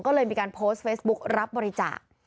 ก็เลยมีการโพสต์เฟซบุ๊กรับบริจาค